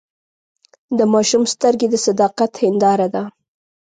د ماشوم سترګې د صداقت هنداره ده.